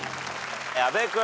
阿部君。